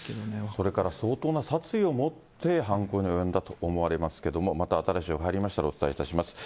それから相当な殺意を持って犯行に及んだと思われますけど、また新しい情報入りましたらお伝えいたします。